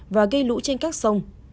và gây lũ trên các sông